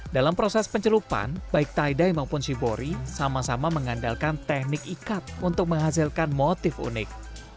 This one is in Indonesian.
dalam proses pencelupan baik taidai maupun shibori sama sama mengandalkan teknik ikat untuk menghasilkan motif unik